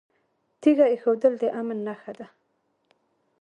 تیږه ایښودل د امن نښه ده